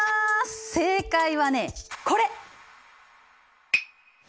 正解はねこれ！